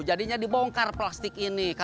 jadinya dibongkar plastik ini